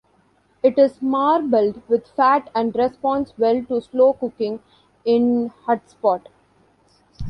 It is marbled with fat and responds well to slow cooking in "hutspot".